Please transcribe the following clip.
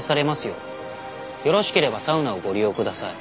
よろしければサウナをご利用ください。